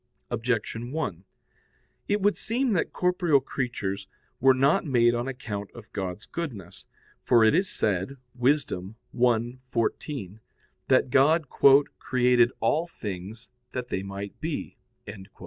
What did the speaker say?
Objection 1: It would seem that corporeal creatures were not made on account of God's goodness. For it is said (Wis. 1:14) that God "created all things that they might be."